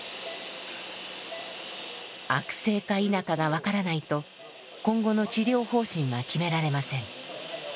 悪性か否かが分からないと今後の治療方針は決められません。